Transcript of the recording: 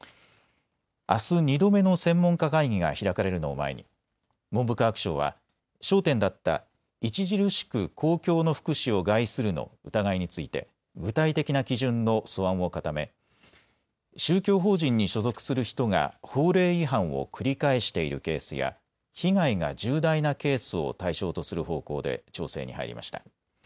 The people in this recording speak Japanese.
あす、２度目の専門家会議が開かれるのを前に文部科学省は焦点だった著しく公共の福祉を害するの疑いについて具体的な基準の素案を固め、宗教法人に所属する人が法令違反を繰り返しているケースや被害が重大なケースを対象とする方向で調整に入りました。